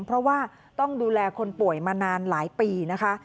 เพราะว่าต้องดูแลคนป่วยมานานหลายปีนะคะ